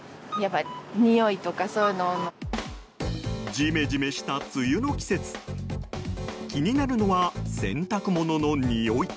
ジメジメした梅雨の季節気になるのは洗濯物のにおい。